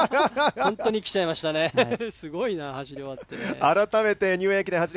本当に来ちゃいましたね、すごいな、走り終わって。